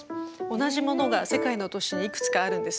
同じものが世界の都市にいくつかあるんです。